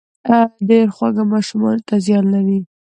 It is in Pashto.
ډېر خواږه ماشومانو ته زيان لري